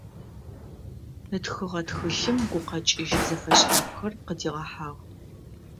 Ытхыгъэ тхылъым гукъэкӏыжь зэфэшъхьафхэр къыдигъэхьагъ.